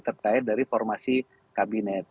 terkait dari formasi kabinet